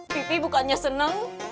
pipi bukannya seneng